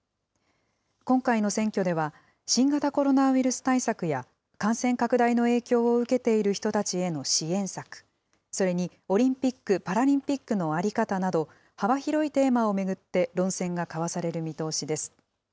今回の選挙では、新型コロナウイルス対策や、感染拡大の影響を受けている人たちへの支援策、それにオリンピック・パラリンピックの在り方など、幅広いテーマを巡って論戦が交わされる見通しです。